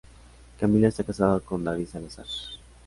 Camila está casada con David Salazar.